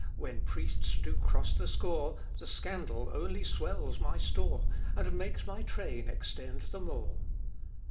when priests do cross the score, The scandal only swells my store, And makes my train extend the more.